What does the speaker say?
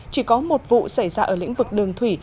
chỉ có một vụ xảy ra ở lĩnh vực đường thủy